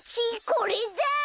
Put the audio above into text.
これだ！